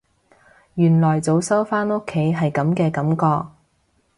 原來早收返屋企係噉嘅感覺